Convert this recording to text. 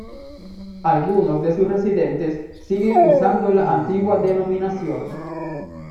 Algunos de sus residentes siguen usando la antigua denominación.